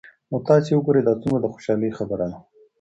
نو تاسي وګورئ دا څومره د خوشحالۍ خبره ده